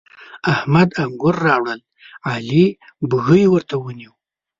احمد انګور راوړل؛ علي بږۍ ورته ونيو.